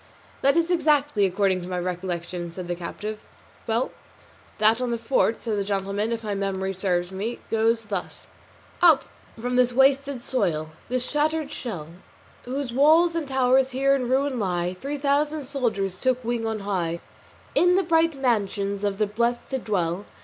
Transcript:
"That is it exactly, according to my recollection," said the captive. "Well then, that on the fort," said the gentleman, "if my memory serves me, goes thus: SONNET "Up from this wasted soil, this shattered shell, Whose walls and towers here in ruin lie, Three thousand soldier souls took wing on high, In the bright mansions of the blest to dwell.